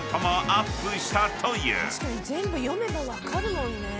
全部読めば分かるもんね。